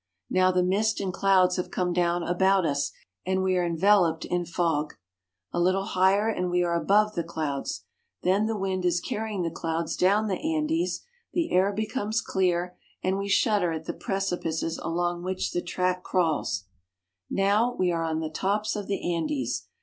Now the mist and clouds have come down about us, and we are enveloped in fog. A little higher, and we are above the clouds. There the wind is carrying the clouds UP THE ANDES. 7 1 down the Andes, the air becomes clear, and we shudder at the precipices along which the track crawls. Now we are on the tops of the Andes.